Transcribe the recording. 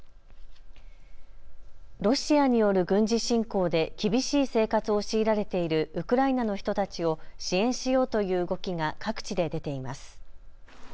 ロシアによる軍事侵攻で厳しい生活を強いられているウクライナの人たちを支援しようという動きが各地で出ています。